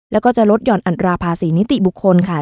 แล้วก็จะลดหย่อนอัตราภาษีนิติบุคคลค่ะ